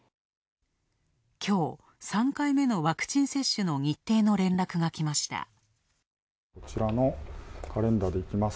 きょう、３回目のワクチン接種の日程の連絡が来ました。